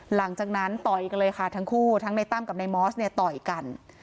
หลังจากนั้นต่อยกันเลยค่ะทั้งคู่ทั้งในตั้มกับในมอสเนี่ยต่อยกัน